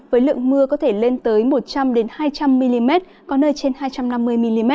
với lượng mưa có thể lên tới một trăm linh hai trăm linh mm có nơi trên hai trăm năm mươi mm